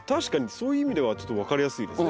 そういう意味ではちょっと分かりやすいですね。